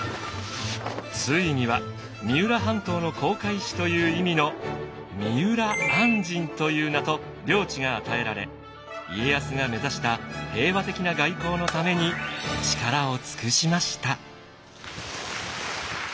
ついには三浦半島の航海士という意味の三浦按針という名と領地が与えられ家康が目指した平和的な外交のために力を尽くしました。